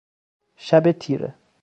شب تیره